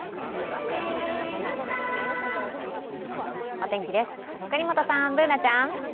お天気です、國本さんＢｏｏｎａちゃん。